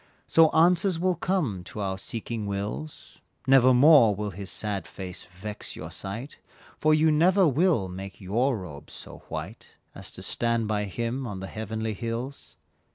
So answers will come to our seeking wills, Nevermore will his sad face vex your sight, For you never will make your robes so white As to stand by him on the heavenly hills.